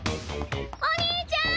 お兄ちゃん！